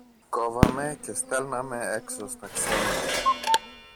κόβαμε και στέλναμε έξω στα ξένα